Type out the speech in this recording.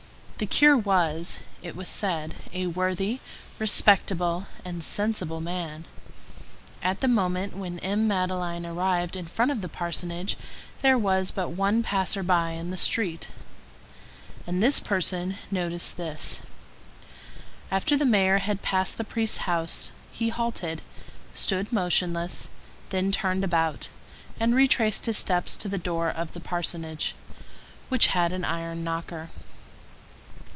The curé was, it was said, a worthy, respectable, and sensible man. At the moment when M. Madeleine arrived in front of the parsonage there was but one passer by in the street, and this person noticed this: After the mayor had passed the priest's house he halted, stood motionless, then turned about, and retraced his steps to the door of the parsonage, which had an iron knocker.